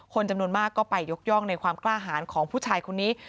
คนจำนวนมากก็ไปยกย่องในความกล้าหารของผู้ชายคนนี้